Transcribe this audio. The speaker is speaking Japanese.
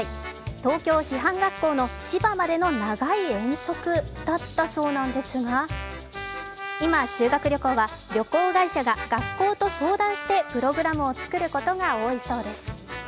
東京師範学校の千葉までの長い遠足だったそうなんですが、今、修学旅行は旅行会社が学校と相談してプログラムを作ることが多いそうです。